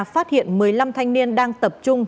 phát hiện một mươi năm thanh niên đang tập trung